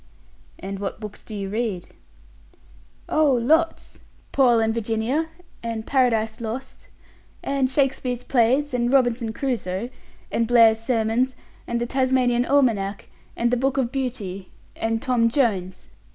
"And what books do you read?" "Oh, lots! 'Paul and Virginia', and 'Paradise Lost', and 'Shakespeare's Plays', and 'Robinson Crusoe', and 'Blair's Sermons', and 'The Tasmanian Almanack', and 'The Book of Beauty', and 'Tom Jones'."